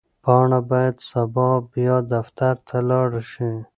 پاڼه باید سبا بیا دفتر ته لاړه شي.